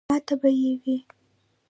ماته به ئې وې ـ